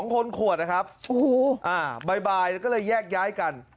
๒คนขวดนะครับบ่ายบ่ายแล้วเลยแยกย้ายกัน